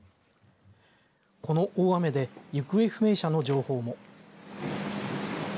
この大雨で行方不明者の情報も。